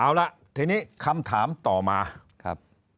เอาล่ะทีนี้คำถามต่อมา